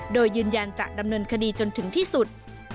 โดยยืนยันจะดำเนินคดีจนถึงที่สุด